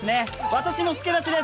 私も助太刀です。